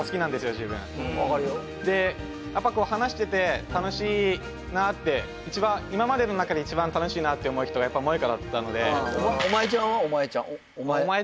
自分でやっぱこう話してて楽しいなって一番今までの中で一番楽しいなって思う人がやっぱもえかだったのでオマエちゃんオマエ